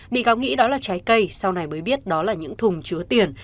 bị cáo nghĩ đó là trái cây sau này mới biết đó là những thùng chứa tiền